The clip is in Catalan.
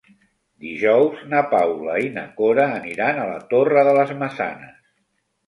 Dijous na Paula i na Cora aniran a la Torre de les Maçanes.